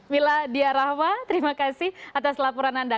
mila diarahma terima kasih atas laporan anda